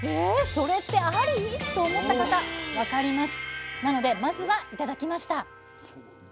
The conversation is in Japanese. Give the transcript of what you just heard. それってあり？と思った方分かります。